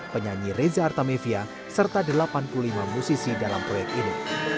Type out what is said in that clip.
penyanyi reza artamevia serta delapan puluh lima musisi dalam proyek ini